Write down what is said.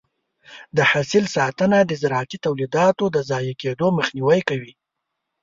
د حاصل ساتنه د زراعتي تولیداتو د ضایع کېدو مخنیوی کوي.